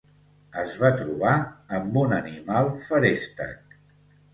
Es va trobar amb un animal feréstec.